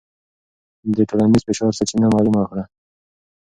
د ټولنیز فشار سرچینه معلومه کړه.